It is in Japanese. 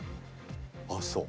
あっそう。